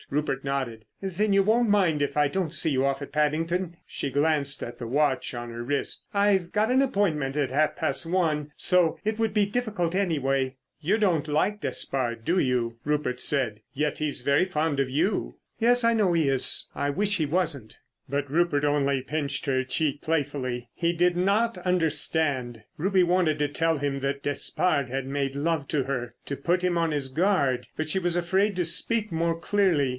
Rupert nodded. "Then you won't mind if I don't see you off at Paddington?" She glanced at the watch on her wrist. "I've got an appointment at half past one, so it would be difficult anyway." "You don't like Despard, do you?" Rupert said; "yet he's very fond of you." "Yes, I know he is. I wish he wasn't." But Rupert only pinched her cheek playfully. He did not understand. Ruby wanted to tell him that Despard had made love to her, to put him on his guard, but she was afraid to speak more clearly.